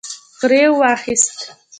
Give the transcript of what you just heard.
غريو واخيست.